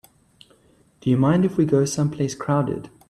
Do you mind if we go someplace crowded?